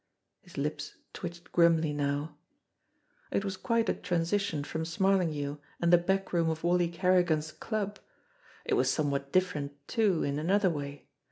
His lips twitched grimly now. It was quite a transition from Smarlinghue and the back room of Wally Kerrigan's "club !" It was somewhat different, too, in another way.